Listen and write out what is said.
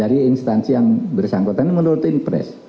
jadi instansi yang bersangkutan menurut impress